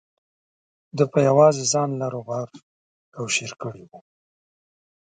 ده په یوازې ځان لر او بر کوشیر کړی و.